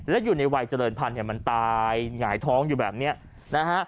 และอยู่ในวัยเจริญพันธ์เนี่ยมันตายหงายท้องอยู่แบบเนี้ยนะฮะ